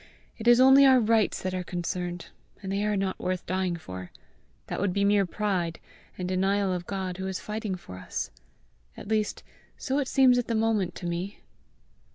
It is only our rights that are concerned, and they are not worth dying for. That would be mere pride, and denial of God who is fighting for us. At least so it seems at the moment to me!"